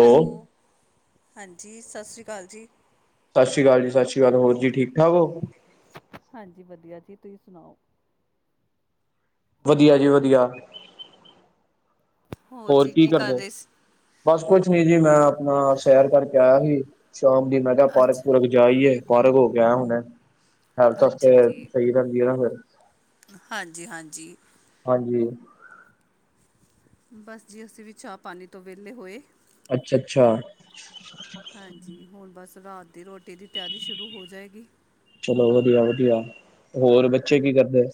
Hello. ਹਾਂਜੀ, ਸਾਸਰੀ ਅਕਾਲ ਜੀ। ਸ਼ਾਸਰੀ ਅਕਾਲ ਜੀ, ਸ਼ਾਸ਼ੀ ਅਕਾਲ। ਹੋਰ ਜੀ, ਠੀਕ-ਠਾਕ ਓ? ਹਾਂਜੀ ਵਧੀਆ ਜੀ। ਤੁਹੀ ਸੁਣਾਓ? ਵਧੀਆ ਜੀ, ਵਧੀਆ। ਹੋਰ ਜੀ ਕੀ ਕਰ ਕਰਦੇ? ਰਹੇ ਸੀ ਬਸ ਕੁੱਛ ਨੀ ਜੀ, ਮੈਂ ਆਪਣਾ ਸੈਰ ਕਰਕੇ ਆਇਆ ਹੀ। ਸ਼ਾਮ ਦੀ ਮੈਂ ਤੇ ਆਹ ਪਾਰਕ-ਪੂਰਕ ਅੱਛਾ ਜਾਈਏ। ਪਾਰਕ ਹੋਕੇ ਆਇਆ ਹੁਣੈ। ਹੈਲਥ ਵਾਸਤੇ ਅੱਛਾ ਸਹੀ ਰਹਿੰਦੀ ਐ ਨਾ ਫਿਰ। ਹਾਂਜੀ-ਹਾਂਜੀ। ਹਾਂਜੀ। ਬਸ ਜੀ, ਅਸੀਂ ਵੀ ਚਾਹ-ਪਾਣੀ ਤੋਂ ਵਿਹਲੇ ਹੋਏ। ਅੱਛਾ-ਅੱਛਾ। ਹਾਂਜੀ। ਹੁਣ ਬਸ ਰਾਤ ਦੀ ਰੋਟੀ ਦੀ ਤਿਆਰੀ ਸ਼ੁਰੂ ਹੋ ਜਾਏਗੀ। ਚਲੋ ਵਧੀਆਂ-ਵਧੀਆਂ। ਹੋਰ ਬੱਚੇ ਕੀ ਕਰਦੇਂ?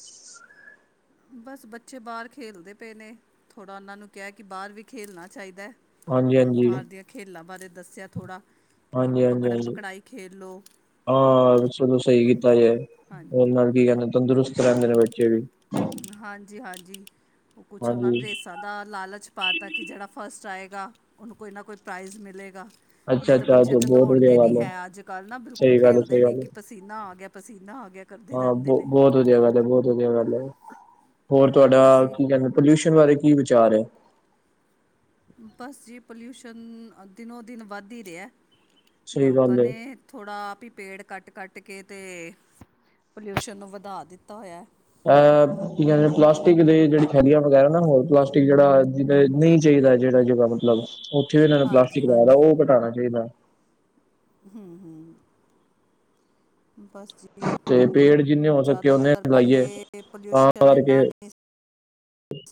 ਬਸ, ਬੱਚੇ ਬਾਹਰ ਖੇਲਦੇ ਪਏ ਨੇ। ਥੋੜ੍ਹਾ ਉਹਨਾਂ ਨੂੰ ਕਿਹਾਂ ਕਿ ਬਾਹਰ ਵੀ ਖੇਲਣਾ ਚਾਹੀਦਾ। ਹਾਂਜੀ ਹਾਂਜੀ ਬਾਹਰ ਦੀਆਂ ਖੇਲਾਂ ਬਾਰੇ ਦੱਸਿਆ ਥੋੜ੍ਹਾ, ਕਿ ਪਕੜਨ-ਪਕੜਾਈ ਖੇਲ ਲਓ ਆਹ ਸਨੋ ਸਹੀ ਕੀਤਾ ਜੇ, ਹਾਂਜੀ ਉਹਦੇ ਨਾਲ ਕੀ ਕਹਿੰਦੇ ਤੰਦਰੁਸ ਰਹਿੰਦੇਂ ਨੇ ਬੱਚੇ ਵੀ। ਹਾਂਜੀ-ਹਾਂਜੀ। ਉਹ ਕੁਛ ਉਹਨਾਂ ਹਾਂਜੀ ਰੇਸਾ ਦਾ ਲਾਲਚ ਪਾਤਾ ਕਿ ਜਿਹੜਾ ਫਸਟ ਆਏਗਾ, ਉਹਨੂੰ ਕੋਈ ਨਾ ਕੋਈ ਪ੍ਰਾਈਜ਼ ਮਿਲ਼ੇਗਾ। ਅੱਛਾ ਨਹੀਂ ਤਾਂ ਅੱਛਾ ਬੱਚੇ ਤੇ ਬਹੁਤ ਵਧੀਆ ਦੌੜਦੇ ਨੀ ਗੱਲ ਹੈ ਅੱਜ-ਕੱਲ੍ਹ ਨਾ। ਬਿਲਕੁਲ ਸਹੀ ਗੱਲ ਹੈ, ਖੇਲਦੇ ਸਹੀ ਨੀ ਗੱਲ ਹੈ। ਕਿ ਪਸੀਨਾਂ ਆ ਗਿਆ, ਪਸੀਨਾਂ ਆ ਗਿਆ। ਕਰਦੇ ਹਾਂ ਰਹਿੰਦੇਂ ਬਹੁ ਨੇ। ਬਹੁਤ ਵਧੀਆ ਗੱਲ ਐ, ਬਹੁਤ ਵਧੀਆ ਗੱਲ ਐ। ਹੋਰ ਤੁਹਾਡਾ ਅਸੀਂ ਕੀ ਕਹਿੰਦੇ, ਪੋਲਿਊਸ਼ਨ ਬਾਰੇ ਕੀ ਵਿਚਾਰ ਐ। ਬਸ ਜੀ, ਪੋਲਿਊਸ਼ਨ ਦਿਨੋਂ-ਦਿਨ ਵੱਧ ਈ ਰਿਹਾਂ। ਸਹੀ ਗੱਲ ਲੋਕਾਂ ਹੈ ਨੇ ਥੋੜ੍ਹਾ ਆਪ ਈ ਪੇੜ ਕੱਟ-ਕੱਟ ਕੇ ਤੇ ਪੋਲਿਊਸ਼ਨ ਨੂੰ ਵਧਾ ਦਿੱਤਾ ਹੋਇਆਂ। ਅਹ ਕੀ ਕਹਿਦੇ ਪਲਾਸਟਿਕ ਦੇ ਜਿਹੜੀ ਥੈਲੀਆਂ ਵਗੈਰ੍ਹਾ ਨਾ, ਹੋਰ ਪਲਾਸਟਿਕ ਜਿਹੜਾਂ ਜਿਦਾਂ ਇਹ ਨਹੀਂ ਚਾਹੀਦਾ, ਜਿਹੜਾ ਜਗ੍ਹਾ ਮਤਲਬ ਉੱਥੇ ਵੀ ਇਹਨਾਂ ਨੇ ਹਾਂਜੀ ਪਲਾਸਟਿਕ ਲਾਇਆਂ ਦਾ, ਹਾਂਜੀ ਉਹ ਘਟਾਣਾ ਚਾਹੀਦਾਂ। ਹੂੰ-ਹੂੰ। ਬਸ ਜੀ, ਤੇ ਪੇੜ ਜਿੰਨੇ ਹੋ ਸਕੇ ਓਨੇ ਜ਼ਿਆਦਾਤਰ ਲਾਈਏ ਪਹਿਲੇ ਤਾਂ ਪੋਲਿਊਸ਼ਨ ਕਰਕੇ ਇੰਨਾ ਨਹੀਂ ਸ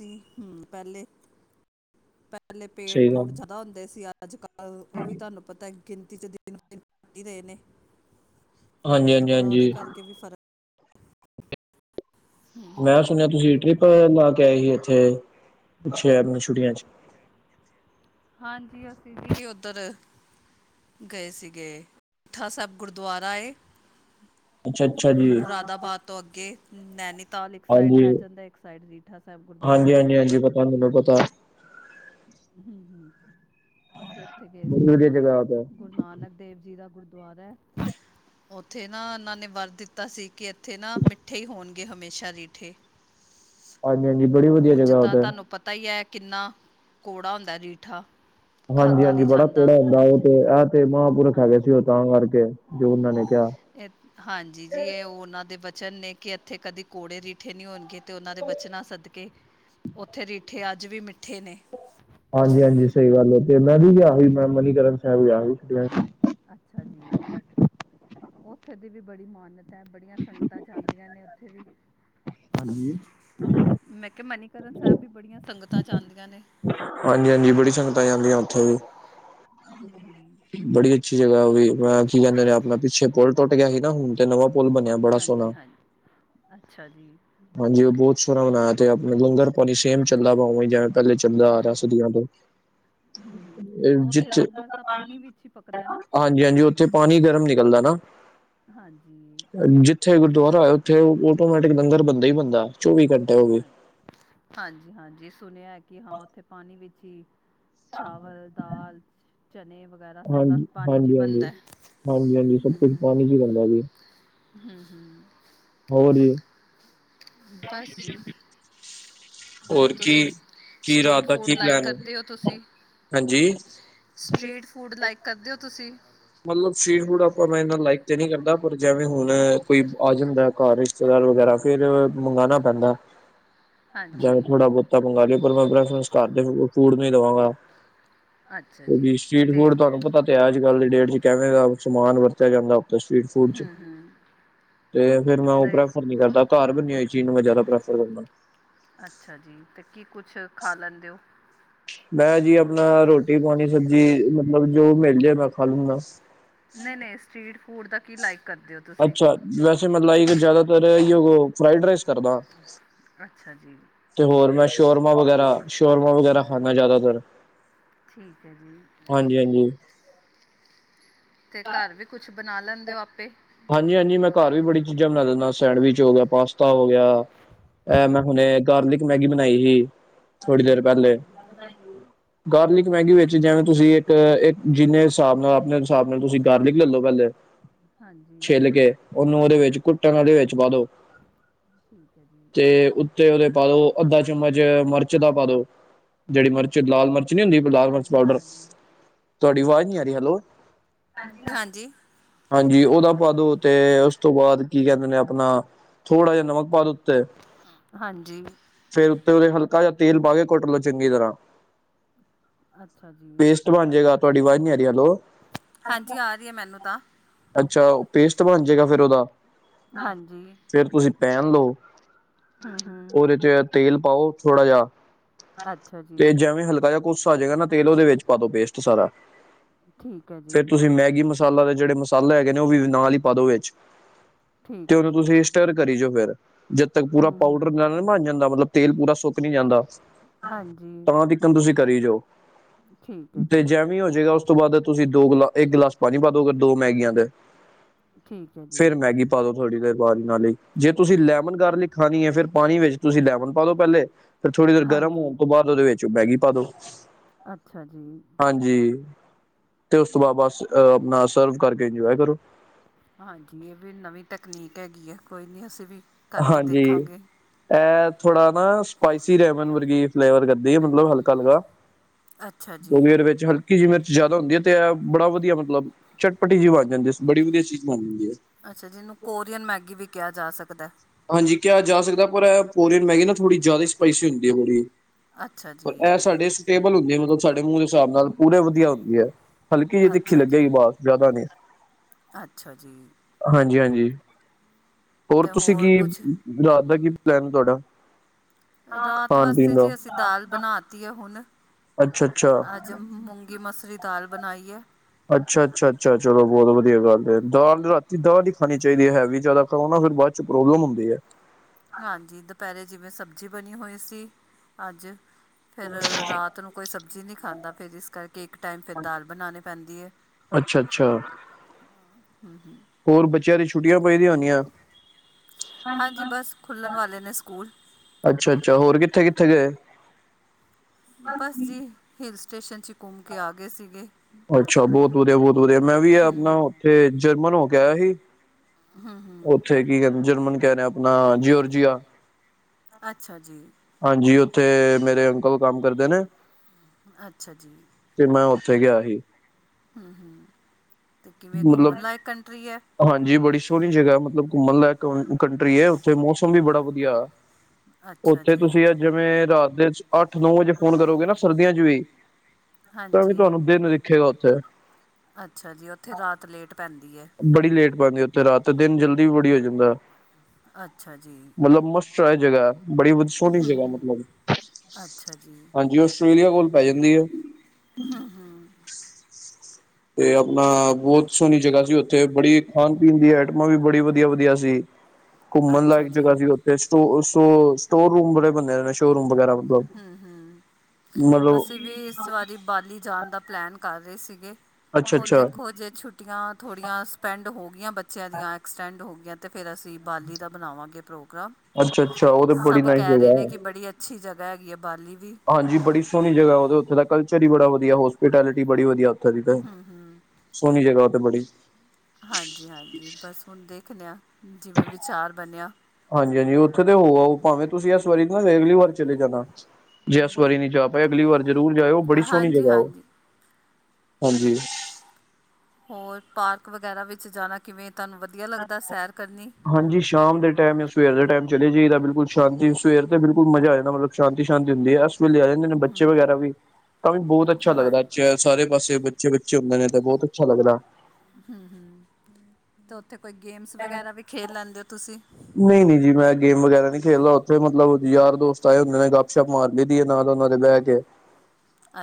ਹੂੰ, ਪਹਿਲੇ-ਪਹਿਲੇ ਸਹੀ ਗੱਲ ਪੇੜ-ਪੂੜ ਜ਼ਿਆਦਾ ਹੁੰਦੇ ਸੀ। ਅੱਜ-ਕੱਲ੍ਹ ਉਹ ਵੀ ਤੁਹਾਨੂੰ ਪਤਾ ਗਿਣਤੀ 'ਚ ਦਿਨ [unintelligible] ਈ ਰਹੇ ਨੇ। ਹਾਂਜੀ ਹਾਂਜੀ ਥੋੜਾਂ ਉਹਦੇ ਹਾਂਜੀ ਕਰਕੇ ਵੀ ਫ਼ਰ ਮੈਂ ਸੁਣਿਆ ਤੁਸੀਂ ਟ੍ਰਿਪ ਲਾ ਕੇ ਆਏ ਹੀ। ਓਥੇ ਸ਼ਹਿਰ ਨੂੰ ਛੁੱਟੀਆਂ 'ਚ। ਹਾਂਜੀ, ਅਸੀਂ ਵੀ ਉੱਧਰ ਗਏ ਸੀਗੇ। ਰੀਠਾ ਸਾਹਿਬ ਗੁਰਦੁਆਰਾ ਏ ਅੱਛਾ ਅੱਛਾ ਜੀ ਮੁਰਾਦਾਬਾਦ ਤੋਂ ਅੱਗੇ ਨੈਨੀ ਤਾਲ ਇੱਕ ਸਾਈਡ ਹਾਂਜੀ ਰਹਿ ਜਾਂਦਾ। ਇੱਕ ਸਾਈਡ ਰੀਠਾ ਸ਼ਾਹਿਬ ਗੁਰਦੁਆਰਾ ਐ। ਤੁਹਾਨੂੰ ਕਿਵੇਂ ਪਤਾ। ਹੂੰ-ਹੂੰ, ਅਸੀਂ ਉੱਥੇ ਗਏ ਸੀ ਬੜੀ ਜੀ। ਵਧੀਆ ਜਗ੍ਹਾ ਉਹ ਤੇ ਗੁਰੂ ਨਾਨਕ ਦੇਵ ਜੀ ਦਾ ਗੁਰਦੁਆਰਾ ਐ ਉੱਥੇ ਨਾ ਉਹਨਾਂ ਨੇ ਵਰ ਦਿੱਤਾ ਸੀ। ਕਿ ਇੱਥੇ ਨਾ ਮਿੱਠੇ ਈ ਹੋਣਗੇ ਹਮੇਸ਼ਾ ਰੀਠੇ। ਹਾਂਜੀ ਹਾਂਜੀ ਬੜੀ ਵਧੀਆ ਉਂਝ ਜਗ੍ਹਾ ਉਹ ਤਾਂ ਤੇ ਤੁਹਾਨੂੰ ਪਤਾ ਈ ਐ ਕਿੰਨਾਂ ਕੌੜਾ ਹੁੰਦਾਂ ਰੀਠਾ। ਖਾਧਾ ਹਾਂਜੀ-ਹਾਂਜੀ ਨਹੀਂ ਬੜਾ ਜਾਂਦਾ ਕੌੜਾ ਹੁੰਂਦਾ। ਉਹ ਤੇ ਇਹ ਤੇ ਮਹਾਂਪੁਰਖ ਹੈਗੇ ਸੀ। ਹਾਂਜੀ ਉ ਤਾਂ ਕਰਕੇ ਜੋ ਉਹਨਾਂ ਨੇ ਕਿਹਾਂ ਏ ਹਾਂਜੀ ਜੀ, ਇਹ ਉਹ ਉਹਨਾਂ ਦੇ ਬਚਨ ਨੇ, ਕਿ ਇੱਥੇ ਕਦੇ ਕੋੜੇ ਰੀਠੇ ਨਹੀਂ ਹੋਣਗੇ, ਤੇ ਉਹਨਾਂ ਦੇ ਬਚਨਾਂ ਸਦਕੇ। ਉੱਥੇ ਰੀਠੇ ਅੱਜ ਵੀ ਮਿੱਠੇ ਨੇ। ਹਾਂਜੀ-ਹਾਂਜੀ ਸਹੀ ਗੱਲ ਐ, ਤੇ ਮੈਂ ਵੀ ਗਿਆ ਸੀ ਮੈਂ ਮਨੀਕਰਨ ਸਾਹਿਬ ਗਿਆ ਸੀ। ਅੱਛਾ ਜੀ, ਉੱਥੇ ਦੀ ਵੀ ਬੜੀ ਮਾਨਤ ਐ ਬੜੀਆਂ ਸੰਗਤਾਂ ਜਾਂਦੀਆਂ ਨੇ ਉੱਥੇ ਵੀ। ਹਾਂਜੀ। ਮੈਂ ਕਿਆ, ਮਨੀਕਰਨ ਸਾਹਿਬ ਵੀ ਬੜੀਆਂ ਸੰਗਤਾਂ ਜਾਂਦੀਆਂ ਨੇ। ਹਾਂਜੀ-ਹਾਂਜੀ, ਬੜੀ ਸੰਗਤਾਂ ਜਾਂਦੀਆਂ ਓਥੇ ਵੀ। ਬੜੀ ਅੱਛੀ ਜਗ੍ਹਾ ਉਹ ਵੀ, ਕੀ ਕਹਿੰਦੇ ਨੇ ਅਪਣਾ ਪਿੱਛੇ ਪੁਲ ਟੁੱਟ ਗਿਆਂ ਹੀ ਨਾ ਹੁਣ ਤੇ ਨਵਾਂ ਪੁਲ ਬਣਿਆ ਬੜਾ ਸੋਹਣਾ ਹਾਂਜੀ-ਹਾਂਜੀ, ਅੱਛਾ ਜੀ। ਹਾਂਜੀ, ਉਹ ਬਹੁਤ ਸੋਹਣਾ ਬਨਾਇਆ ਤੇ ਆਪ ਲੰਗਰ ਪਾਣੀ ਸੇਮ ਚੱਲਦਾ ਪਿਆ ਜਿਵੇਂ ਪਹਿਲੇ ਚੱਲਦਾ ਆ ਰਹਾ। [unintelligible] ਡੀਆ ਤੋਂ ਹੂੰ ਹੂੰ ਏ ਉੱਥੇ ਜਿੱਥੇ ਲੰਗਰ ਤਾਂ ਪਾਣੀ ਵਿੱਚ ਹੀ ਪੱਕਦਾ ਹੈ ਨਾ ਹਾਂਜੀ-ਹਾਂਜੀ, ਉੱਥੇ ਪਾਣੀ ਗਰਮ ਨਿਕਲਦਾ ਨਾ। ਹਾਂਜੀ। ਉੱਥੇ ਗੁਰਦੁਆਰਾ ਆ, ਉਥੇ ਆਟੋਮੈਟਿਕ ਲੰਗਰ ਬਣਦਾ ਈ ਬਣਦਾ, ਚੌਵੀ ਘੰ ਹਾਂ, ਹਾਂਜੀ-ਹਾਂਜੀ ਸੁਣਿਆ ਐ ਕਿ ਹਾਂ ਉੱਥੇ ਪਾਣੀ ਵਿੱਚ ਈ- ਚਾਵਲ, ਦਾਲ, ਚਨੇ ਵਗੈਰਾ ਸਾਰਾ ਹਾਂਜੀ, ਪਾਣੀ'ਚ ਈ ਹਾਂਜੀ-ਹਾਂਜੀ, ਬਨਦਾ। ਹਾਂਜੀ-ਹਾਂਜੀ, ਸਭ ਕੁਛ ਪਾਣੀ'ਚ ਈ ਬਨਦਾ ਜੀ। ਹੂੰ-ਹੂੰ ਹੋਰ ਜੀ? ਬਸ ਜੀ। ਹੋਰ ਕੀ, ਕੀ ਰਾਤ ਸਟਰੀਟ ਦਾ ਫੂਡ ਕੀ ਲਾਈਕ ਪਲੈਨ ਏ, ਕਰਦੇ ਹਾਂਜੀ? ਸਟ੍ਰਰੀਟ ਫੂਡ ਲਾਈਕ ਕਰਦੇ ਓ ਤੁਸੀ? ਮਤਲਬ ਸਟ੍ਰੀਟ ਫੂਡ ਆਪਾਂ ਮੈਂ ਇਨਾ ਲਾਈਕ ਤੇ ਨਹੀਂ ਕਰਦਾ, ਪਰ ਜੈਵੇਂ ਹੁਣ ਕੋਈ ਆ ਜਾਂਦਾ ਘਰ। ਰਿਸ਼ਤੇਦਾਰ ਵਗੈਰਾ ਫਿਰ, ਮੰਗਾਣਾ ਪੈਂਦਾ। ਹਾਂਜੀ ਜਾਵੇ, ਥੋੜ੍ਹਾ-ਬਹੁਤਾ ਮੰਗਾਲੇ ਪਰ ਮੈਂ ਪ੍ਰੈਫਰੰਸ ਘਰਦੇ ਫੂਡ ਨੂੰ ਈ ਦਵਾਂਗਾ। ਅੱਛਾ ਤੇ ਜੀ ਵੀ, ਸਟ੍ਰੀਟ ਤੇ ਫੂਡ ਤੁਹਾਨੂੰ ਪਤਾ ਤੇ ਹੈ ਅੱਜ-ਕੱਲ ਦੀ ਡੇਟ'ਚ ਕੈਂਵੇਂ ਦਾ ਸਮਾਨ ਵਰਤਿਆ ਜਾਂਦਾ। ਸ੍ਰਟੀਟ ਫੂਡ'ਚ ਹੂੰ ਹੂੰ ਤੇ, ਫਿਰ ਮੈਂ ਉਹ ਤੇ ਪ੍ਰੈਫਰ ਨੀ ਕਰਦਾ। ਘਰ ਬਨੀ ਹੋਈ ਚੀਜ਼ ਨੂੰ, ਮੈਂ ਜ਼ਿਆਦਾ ਪ੍ਰੈਫਰ ਕਰਨਾ। ਅੱਛਾ ਜੀ, ਤੇ ਕੀ ਕੁਛ ਖਾ ਲੈਂਦੇ ਓ? ਮੈਂ ਜੀ ਅਪਨਾ, ਰੋਟੀ-ਪਾਣੀ, ਸਬਜ਼ੀ ਮਤਲਬ ਜੋ ਮਿਲਜੇ ਮੈਂ ਖਾਲੂੰਗਾ। ਨਹੀਂ-ਨਹੀਂ, ਸਟ੍ਰੀਟ ਫੂਡ ਦਾ ਕੀ ਲਾਈਕ ਕਰਦੇ ਓ ਤੁਸੀ? ਅੱਛਾ ਵੈਸੇ ਮੈਂ ਲਾਇਕ ਜ਼ਿਆਦਾਤਰ, ਐਈਓ ਫ੍ਰਾਈਡ ਰਾਈਸ ਕਰਦਾ। ਅੱਛਾ ਜੀ। ਤੇ ਹੋਰ ਮੈਂ ਸ਼ੋਰਮਾ ਵਗ਼ੈਰਾ, ਸ਼ੋਰਮਾ ਵਗੈਰਾ ਖਾਂਨਾ ਜ਼ਿਆਦਾਤਰ। ਠੀਕ ਐ ਜੀ। ਹਾਂਜੀ ਹਾਂਜੀ। ਤੇ ਘਰ ਵੀ ਕੁਛ ਬਣਾ ਲੈਂਦੇ ਓ, ਆਪੇ? ਹਾਂਜੀ-ਹਾਂਜੀ, ਮੈਂ ਘਰ ਵੀ ਬੜੀ ਚੀਜ਼ਾਂ ਬਣਾ ਦਿੰਦਾ ਸੈਂਡਵਿਚ ਹੋਗਿਆ, ਪਾਸਤਾ ਹੋਗਿਆ। ਐ ਮੈਂ ਹੁਣੇ, ਗਾਰਲਿਕ ਮੈਗੀ ਬਣਾਈ ਹੀ। ਅੱਛਾ ਜੀ, ਕਿੱਦਾਂ ਬਨਾਈ ਉ? ਗਾਰਲਿਕ ਮੈਗੀ ਵਿੱਚ ਜੈਂਵੇਂ ਤੁਸੀਂ ਇੱਕ, ਇੱਕ ਜਿੰਨੇ ਹਿਸਾਬ ਨਾਲ, ਅਪਣੇ ਹਿਸਾਬ ਨਾਲ ਤੁਸੀਂ ਗਾਰਲਿਕ ਲੈਲੋ ਪਹਿਲੇ। ਹਾਂਜੀ ਛਿੱਲ ਕੇ ਉਹਨੂੰ ਉਹਦੇ ਵਿੱਚ ਕੁੱਟਣ ਦੇ ਵਿੱਚ ਪਾ ਦੋ। ਠੀਕ ਹੈ ਜੀ। ਤੇ ਉੱਤੇ ਉਹਦੇ ਪਾ ਦੋ ਅੱਧਾ ਚਮਚ ਮਿਰਚ ਦਾ ਪਾ ਦੋ। ਜਿਹੜੀ ਮਰਚ ਠੀਕ ਹੈ ਲਾਲ ਮਰਚ ਨਹੀਂ ਹੁੰਦੀ ਲਾਲ ਮਰਚ ਹਾਂਜੀ ਪਾਊਡਰ ਹਾਂਜੀ ਤੁਹਾਡੀ ਆਵਾਜ਼ ਨਹੀਂ ਆ ਰਹੀ ਹੈਲੋ। ਹਾਂਜੀ, ਹਾਜੀ ਉਹਦਾ ਪਾਦੋ ਤੇ ਉਸ ਤੋਂ ਬਾਅਦ ਕੀ ਕਹਿੰਦੇ ਨੇ ਆਪਣਾ ਥੋੜਾ ਜਿਹਾ ਨਮਕ ਪਾ ਦੋ ਉਤੇ ਹਾਂਜੀ ਫੇਰ ਉੱਥੇ ਉਹਦੇ ਹਲਕਾ ਜ ਤੇਲ ਪਾਾਹ ਕੇ ਕੁੱਟ ਲਓ ਚੰਗੀ ਤਰ੍ਹਾਂ। ਅੱਛਾ ਜੀ ਪੇਸਟ ਬਣ ਜੇਗਾ। ਤੁਹਾਡੀ ਵਾਜ ਨੀ ਆਂ ਰਹੀ ਹੈਲੋ। ਹਾਂਜੀ ਆ ਰਹੀ ਹੈ ਮੈਨੂੰ ਤਾਂ ਅੱਛਾ ਪੇਸਟ ਬਣ ਜੇਗਾ ਫੇਰ ਉਹਦਾ ਹਾਂਜੀ ਫੇਰ ਤੁਸੀਂ ਪੈਨ ਲਓ। ਹੂੰ ਹੂੰ ਉਹਦੇ ਚ ਤੇਲ ਪਾਓ ਥੋੜਾ ਜਿਹਾ ਅੱਛਾ ਜੀ ਤੇ ਜੈਵੇਂ ਹਲਕਾ ਜਿਹਾ ਨਾ [unintelligible] ਤੇਲ ਉਹਦੇ ਵਿੱਚ ਪਾ ਦੋ ਪੇਸਟ ਸਾਰਾ ਠੀਕ ਹੈ ਫੇਰ ਜੀ ਤੁਸੀਂ ਮੈਗੀ ਦਾਲਾ ਦੇ ਜਿਹੜੇ ਮਸਾਲੇ ਹੈਗੇ ਨੇ ਉਹ ਵੀ ਨਾਲ ਹੀ ਪਾ ਦੋਵੇ ਵਿੱਚ। ਤੇ ਠੀਕ ਹੈ ਉਹਨੂੰ ਜੀ ਤੁਸੀਂ ਸਟਰ ਕਰੀ ਜਾਓ ਫਿਰ ਜਦ ਤੱਕ ਪੂਰਾ ਹੂੰ ਹੂੰ ਪਾਊਡਰ ਬਣ ਜਾਂਦਾ ਮਤਲਬ ਤੇਲ ਪੂਰਾ ਸੁੱਕ ਨੀ ਜਾਂਦਾ ਹਾਂਜੀ ਤਾਂ ਤਕਮ ਤੁਸੀਂ ਕਰੀ ਜੋਓ। ਠੀਕ ਹੈ ਤੇ ਜੀ ਜੈਮੀ ਹੋਜਏਗਾ ਉਸ ਤੋਂ ਬਾਅਦ ਤੁਸੀਂ ਦੋ ਗਲਾ ਇੱਕ ਗਿਲਾਸ ਪਾਣੀ ਪਾ ਦੋਗੇ ਦੋ ਮੈਗੀਆਂ ਦੇ। ਠੀਕ ਹੈ ਜੀ ਫੇਰ ਮੈਗੀ ਪਾ ਦੋ ਥਹਾੜੀ ਦੇਰ ਬਾਹਾਰੀ ਨਾਲ ਹੀ ਜੇ ਤੁਸੀਂ ਲੈਮਨ ਗਾਰਲਿਕ ਖਾਣੀ ਹੈ ਫੇਰ ਪਾਣੀ ਵਿੱਚ ਤੁਸੀਂ ਲੈਮਨ ਪਾ ਦੋ ਪਹਿਲੇ ਫੇਰ ਥੋੜ੍ਹੀ ਦੇਰ ਗਰਮ ਹਾਂਜੀ ਹੋਣ ਤੋਂ ਬਾਅਦ ਉਹਦੇ ਵਿੱਚ ਮੈਗੀ ਪਾ ਦੋ। ਅੱਛਾ ਜੀ। ਹਾਂਜੀ ਤੇ ਉਸ ਤੋਂ ਬਾਅਦ ਬਸ ਆਪਣਾ ਸਰਵ ਕਰਕੇ ਇੰਜੋਏ ਕਰੋ। ਹਾਂਜੀ ਇਹ ਵੀ ਨਵੀਂ ਤਕਨੀਕ ਹੈਗੀ ਆ ਕੋਈ ਨੀ ਅਸੀਂ ਵੀ ਕਰਕੇ ਹਾਂਜੀ। ਦੇਖਾਂਗੇ ਇਹ ਥੋੜਾ ਨਾ ਸਪਾਈਸੀ ਲੈਮਨ ਵਰਗੀ ਫਲੇਵਰ ਕਰਦੀ ਹੈ ਮਤਲਬ ਹਲਕਾ-ਹਲਕਾ। ਅੱਛਾ ਕਿੳਕੀ ਜੀ ਏਰੇ ਵਿੱਚ ਹਲ ਘੀ ਜੀ ਮਿਰਚ ਜਿਆਦਾ ਹੁੰਦੀ ਹੈ ਤੇ ਇਹ ਬੜਾ ਵਧੀਆ ਮਤਲਬ ਚਟਪੱਟੀ ਜਿਹੀ ਬਣ ਜਾਂਦੀ ਐ ਬੜੀ ਵਧੀਆ ਚੀਜ਼ ਬਣ ਜਾਂਦੀ ਐ। ਅੱਛਾ ਜਿਹਨੂੰ ਕੋਰੀਅਨ ਮੈਗੀ ਵੀ ਕਿਹਾ ਜਾ ਸਕਦੈ। ਹਾਂਜੀ ਕਿਹਾ ਜਾ ਸਕਦਾ ਪਰ ਪੋਰੀਅਨ ਮੈਗੀ ਨਾ ਥੋੜ੍ਹੀ ਜ਼ਿਆਦਾ ਹੀ ਸਪਾਈਸੀ ਹੁੰਦੀ ਹੋ। ਅੱਛਾ ਜੀ। ਹੁੰਦੀ ਹੈ ਮਤਲਬ ਸਾਡੇ ਮੂੰਹ ਦੇ ਹਿਸਾਬ ਨਾਲ ਪੂਰੇ ਵਧੀਆ ਹੁੰਦੀ ਹੈ ਹਲਕੀ ਜਿਹੀ ਤਿੱਖੀ ਅੱਛਾ ਜੀ ਲੱਗੇਗੀ ਬਸ ਜ਼ਿਆਦਾ ਨਈ। ਅੱਛਾ ਜੀ। ਹਾਂਜੀ-ਹਾਂਜੀ ਹੋਰ ਅਤੇ ਤੁਸੀਂ ਕੀ ਕੁਛ ਰਾਤ ਦਾ ਕੀ ਪਲੈਨ ਤੁਹਾਡਾ? ਰਾਤ ਖਾਣ ਵਾਸਤੇ ਪੀਣ ਦਾ ਜੇ ਅਸੀਂ ਦਾਲ ਬਣਾ ਤੀ ਹੈ ਹੁਣ। ਅੱਛਾ-ਅੱਛਾ ਜ ਮੂੰਗੀ ਮਸਰੀ ਦਾਲ ਬਣਾਈਏ। ਅੱਛਾ-ਅੱਛਾ-ਅੱਛਾ ਚਲੋ ਬਹੁਤ ਵਧੀਆ ਗੱਲ ਏ। ਦਾਲ ਰਾਤੀ ਦਾਲ ਹੀ ਖਾਣੀ ਚਾਹੀਦੀ ਹੈ ਵੀ ਹੈਵੀ ਜ਼ਿਆਦਾ ਖਾਉ ਨਾ ਫੇਰ ਬਾਅਦ ਵਿੱਚ ਪ੍ਰੋਬਲਮ ਹੁੰਦੀ ਹੈ। ਹਾਂਜੀ ਦੁਪਹਿਰੇ ਜਿਵੇਂ ਸਬਜ਼ੀ ਬਣੀ ਹੋਈ ਸੀ ਅੱਜ ਫੇਰ ਰਾਤ ਨੂੰ ਕੋਈ ਸਬਜ਼ੀ ਨਹੀਂ ਖਾਂਦਾ ਫੇਰ ਕਰਕੇ ਇੱਕ ਟਾਈਮ ਫੇਰ ਦਾਲ ਬਣਾਉਣੀ ਪੈਂਦੀ ਏ। ਅੱਛਾ ਅੱਛਾ ਹੂੰ-ਹੂੰ ਹੋਰ ਬੱਚਿਆਂ ਦੀ ਛੁੱਟੀਆਂ ਪੈਦੀਆਂ ਹੋੁੰਦੀਐ। ਹਾਂਜੀ ਬਸ ਖੁੱਲ੍ਹਣ ਵਾਲੇ ਨੇ ਸਕੂਲ ਅੱਛਾ-ਅੱਛਾ ਹੋਰ ਕਿੱਥੇ-ਕਿੱਥੇ ਗਏ। ਬਸ ਜੀ ਹਿਲ ਸਟੇਸ਼ਨ ਚ ਘੁੰਮ ਕੇ ਆ ਗਏ ਸੀਗੇ। ਅੱਛਾ ਬਹੁਤ ਵਧੀਆ ਬਹੁਤ ਵਧੀਆ ਮੈਂ ਵੀ ਹੂੰ ਆਪਣਾ ਉੱਥੇ ਜਰਮਨ ਹੋ ਕੇ ਆਇਆ ਸੀ। ਹੂੰ-ਹੂੰ, ਉੱਥੇ ਕੀ ਕਹਿੰਦੇ ਜਰਮਨ ਕਹਿ ਰੇ ਆਪਣਾ ਜਿਓਰਜੀਆ ਅੱਛਾ ਜੀ, ਹਾਂਜੀ ਉੱਥੇ ਮੇਰੇ ਅੰਕਲ ਕੰਮ ਕਰਦੇ ਨੇ, ਅੱਛਾ ਜੀ ਤੇ ਮੈਂ ਉੱਥੇ ਗਿਆ ਸੀ। ਹੂੰ-ਹੂੰ, ਤੇ ਕਿਵੇਂ ਮਤਲਬ ਘੁੰਮਣ ਲਾਇਕ ਕੰਟਰੀ ਐ। ਹਾਂਜੀ ਬੜੀ ਸੋਹਣੀ ਜਗ੍ਹਾ ਮਤਲਬ ਘੁੰਮਣ ਲਾਇਕ ਕੰਟਰੀ ਉੱਥੇ ਮੌਸਮ ਵੀ ਬੜਾ ਵਧੀਆ। ਅੱਛਾ ਉੱਥੇ ਜੀ ਤੁਸੀਂ ਅ ਜਿਵੇਂ ਰਾਤ ਦੇ ਅੱਠ ਨੌ ਵਜੇ ਫੋਨ ਕਰੋਗੇ ਨਾ ਸਰਦੀਆਂ ਚ ਵੀ ਤਾਂਕੀ ਹਾਂਜੀ ਤੁਹਾਨੂੰ ਦਿਨ ਦਿਖੇਗਾ ਉੱਥੇ ਅੱਛਾ ਜੀ ਉੱਥੇ ਰਾਤ ਲੇਟ ਪੈਂਦੀ ਐ। ਬੜੀ ਲੇਟ ਪੈਦੀ ਐ ਉੱਥੇ ਰਾਤ ਦਿਨ ਜਲਦੀ ਬੜੀ ਹੋ ਜਾਂਦਾ। ਅੱਛਾ ਜੀ ਮਤਲਬ ਮਸਟ ਐ ਇਹ ਜਗ੍ਹਾ ਬੜੀ ਵੀ ਸੋਹਣੀ ਜਗ੍ਹਾ ਮਤਲਬ ਅੱਛਾ ਜੀ ਹਾਂਜੀ ਆਸਟ੍ਰੇਲੀਆ ਕੋਲ ਪੈ ਜਾਂਦੀ ਆ। ਤੇ ਆਪਣਾ ਬਹੁਤ ਸੋਹਣੀ ਜਗ੍ਹਾ ਸੀ ਉ ਉੱਥੇ ਬੜੀ ਖਾਣ ਪੀਣ ਦੀ ਆਈਟਮਾਂ ਵੀ ਬੜੀ ਵਧੀਆ ਵਧੀਆ ਸੀ, ਘੁੰਮਣ ਅੱਛਾ ਲਾਇਕ ਜੀ ਜਗ੍ਹਾ ਸੀ। ਫੇਰ ਸਟੋ ਸ ਸਟੋਰ ਰੂਮ ਬੜੇ ਬੰਨੇ ਨੇ। ਸ਼ੋਰੂਮ ਵਗੈਰਾ ਮਤਲਬ, ਹੂੰ ਹੂੰ ਮਤਲਬ ਅਸੀਂ ਵੀ ਇਸ ਵਾਰੀ ਬਾਲੀ ਜਾਣ ਦਾ ਪਲੈਨ ਕਰ ਰਹੇ ਸੀਗੇ ਅੱਛਾ ਹੁਣ ਅੱਛਾ ਦੇਖੋ ਜੇ ਛੁੱ ਛੁੱਟੀਆਂ ਥੋੜੀਆਂ ਸਪੈਂਡ ਹੋ ਗਈਆਂ ਬੱਚਿਆਂ ਦੀਆਂ ਐਕਸਟੈਂਡ ਹੋ ਗਈਆਂ। ਤੇ ਫਿਰ ਅਸੀਂ ਬਾਲੀ ਦਾ ਬਣਾਵਾਂਗੇ ਪ੍ਰੋਗਰਾਮ ਅੱਛਾ ਅੱਛਾ ਉਹ ਤੇ ਬੜੀ ਸਭ ਨਾਈਸ ਕਹਿ ਰਹੇ ਨੇ ਜਗ੍ਹਾ ਕਿ ਬੜੀ ਅੱਛੀ ਜਗ੍ਹਾ ਹੈਗੀ ਆ ਬਾਲੀ ਵੀ, ਹਾਂਜੀ ਬੜੀ ਸੋਹਣੀ ਜਗ੍ਹਾ ਉਹ ਉੱਥੇ ਦਾ ਕਲਚਰ ਈ ਬੜਾ ਵਧੀਆ ਹੋਸਪੀਟੈਲਿਟੀ ਬੜੀ ਵਧੀਆ ਉੱਥੇ ਦੀ ਤੇ ਹੂੰ ਹੂੰ ਸੋਹਣੀ ਜਗਾ ਉਹ ਤੇ ਬੜੀ ਹਾਂਜੀ-ਹਾਂਜੀ ਬਸ ਹੁਣ ਦੇਖਦਿਆ ਜਿਵੇਂ ਵਿਚਾਰ ਬਣਿਆ। ਹਾਂਜੀ ਹਾਂਜੀ ਉੱਥੇ ਤੇ ਹੋ ਆ ਭਾਵੇਂ ਤੁਸੀਂ ਇਸ ਵਾਰੀ ਨਾ ਅਗਲੀ ਵਾਰ ਚਲੇ ਜਾਣਾ ਜੇ ਅ ਵਾਰੀ ਨੀ ਜਾ ਭ ਅਗਲੀ ਵਾਰ ਜ਼ਰੂਰ ਜਾਇਓ ਬੜੀ ਸੋਹਣੀ ਹਾਂਜੀ ਜਗ੍ਹਾ ਉਹ, ਹਾਂਜੀ ਹਾਂਜੀ ਹੋਰ ਪਾਰਕ ਵਗੈਰਾ ਵਿੱਚ ਜਾਣਾ ਕਿਵੇਂ ਤੁਹਾਨੂੰ ਵਧੀਆ? ਲੱਗਦਾ ਸੈਰ ਕਰਨੀ ਹਾਂਜੀ ਸ਼ਾਮ ਦੇ ਟੈਮ ਸਵੇਰ ਦੇ ਟਾਈਮ ਚਲੇ ਜਏ ਤਾਂ ਬਿਲਕੁਲ ਸ਼ਾਤੀ ਸਵੇਰ ਦੇ ਬਿਲਕੁਲ ਮਜ਼ਾ ਆ ਜਾਣਾ ਮਤਲਬ ਸ਼ਾਤੀ ਸ਼ਾਂਤੀ ਹੁੰਦੀ ਐ। ਲਿਆ ਜਾਂਦੇ ਨੇ ਬੱਚੇ ਵਗੈਰਾ ਵੀ, ਤਾਂ ਵੀ ਬਹੁਤ ਅੱਛਾ ਲੱਗਦਾ। ਹਾਂਜੀ ਸਾਰੇ ਪਾਸੇ ਬੱਚੇ ਬੱਚੇ ਹੁੰਦੇ ਨੇ ਤਾਂ ਬੋਤ ਅੱਛਾ ਲੱਗਦਾ। ਹੂੰ-ਹੂੰ, ਤੇ ਉੱਥੇ ਕੋਈ ਗੇਮਸ ਵਗੈਰਾ ਵੀ ਖੇਡ ਲੈਂਦੇ ਔ ਤੁਸੀਂ? ਨਈ-ਨਈ ਜੀ ਮੈਂ ਗੇਮ ਵਗੈਰਾ ਨੀ ਖੇਲਦਾ ਉੱਥੇ ਮਤਲਬ ਯਾਰ ਦੋਸਤ ਆਏ ਹੁੰਦੇ ਨੇ ਗੱਪ ਸ਼ੱਪ ਮਾਰ ਦੀਦੀ ਏ ਨਾਲ ਉਹਨਾਂ ਦੇ ਬਹਿ ਕੇ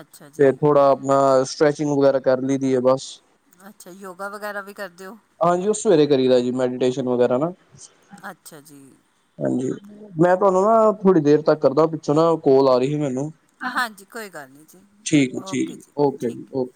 ਅੱਛਾ ਤੇ ਜੀ ਥੋੜਾ ਆਪਣਾ ਸਟ੍ਰੈਚਿੰਗ ਵਗੈਰਾ ਕਰ ਲਈ ਦੀ ਐ ਬਸ ਅੱਛਾ ਯੋਗਾ ਵਗੈਰਾ ਵੀ ਕਰਦੇ ਔ? ਹਾਂਜੀ ਉਹ ਸਵੇਰੇ ਕਰੀ ਦਾ ਜੀ ਮੈਡੀਟੇਸ਼ਨ ਵਗੈਰਾ ਨਾ। ਅੱਛਾ ਜੀ, ਹਾਂਜੀ ਮੈਂ ਤੁਹਾਨੂੰ ਨਾ ਥੋੜੀ ਦੇਰ ਤੱਕ ਕਰਦਾ ਪਿੱਛੋਂ ਨਾ ਕੋਲ ਆ ਰਹੀ ਸੀ ਮੈਨੂੰ ਹਾਂਜੀ ਕੋਈ ਗੱਲ ਨਹੀਂ ਜੀ ਠੀਕ ਐ ਓਕੇ ਠੀਕ ਐ ਜੀ ਓਕੇ ਠੀਕ ਜੀ ਓਕੇ।